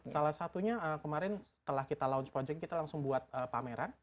salah satunya kemarin setelah kita launch project kita langsung buat pameran